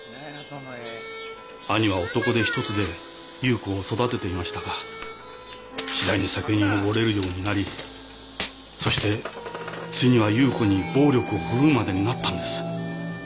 兄は男手一つで夕子を育てていましたが次第に酒に溺れるようになりそしてついには夕子に暴力を振るうまでになったんです。